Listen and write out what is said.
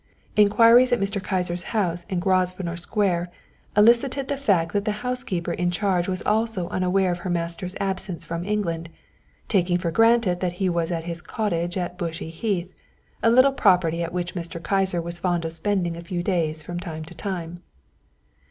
"Enquiries at Mr. Kyser's house in Grosvenor Square elicited the fact that the housekeeper in charge was also unaware of her master's absence from England, taking for granted that he was at his cottage at Bushey Heath, a little property at which Mr. Kyser was fond of spending a few days from time to time.